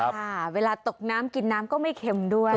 ค่ะเวลาตกน้ำกินน้ำก็ไม่เค็มด้วย